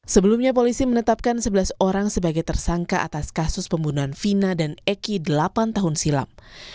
sebelumnya polisi menetapkan sebelas orang sebagai tersangka atas kasus pembunuhan vina dan eki delapan tahun silam